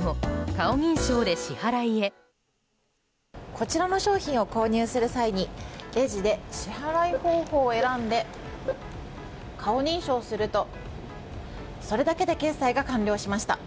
こちらの商品を購入する際にレジで支払い方法を選んで顔認証するとそれだけで決済が完了しました。